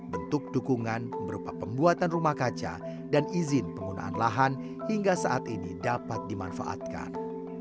bentuk dukungan berupa pembuatan rumah kaca dan izin penggunaan lahan hingga saat ini dapat dimanfaatkan